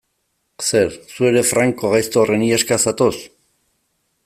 Zer, zu ere Franco gaizto horren iheska zatoz?